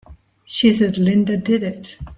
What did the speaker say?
She said Linda did it!